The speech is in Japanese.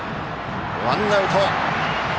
ワンアウト。